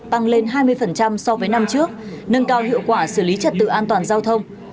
tăng lên hai mươi so với năm trước nâng cao hiệu quả xử lý trật tự an toàn giao thông